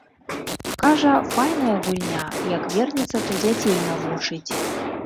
Кажа, файная гульня, як вернецца то дзяцей навучыць.